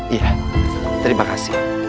iya terima kasih